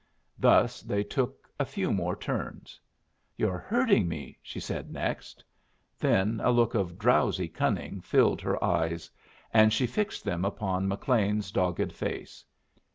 Thus they took a few more turns. "You're hurting me," she said next. Then a look of drowsy cunning filled her eyes, and she fixed them upon McLean's dogged face.